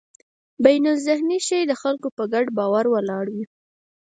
بینالذهني شی د خلکو په ګډ باور ولاړ وي.